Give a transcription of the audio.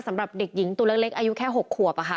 สำหรับเด็กหญิงตัวเล็กอายุแค่๖ขวบ